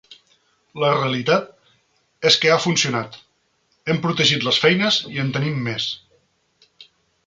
La realitat és que ha funcionat, hem protegit les feines i en tenim més.